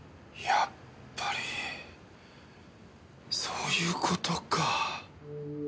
やっぱりそういう事か。